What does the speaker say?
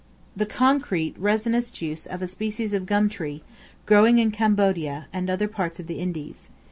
The concrete resinous juice of a species of gum tree, growing in Cambodia, and other parts of the Indies.